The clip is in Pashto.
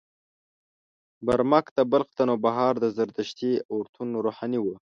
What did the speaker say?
برمک د بلخ د نوبهار د زردشتي اورتون روحاني و.